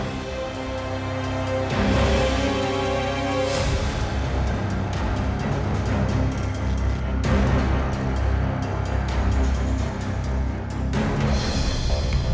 baik raka prabang